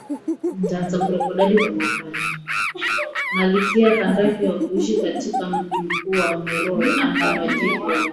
malkia Kandake wa Kushi katika mji mkuu wa Meroe Agano Jipya